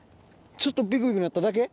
ちょっとビクビクなっただけ？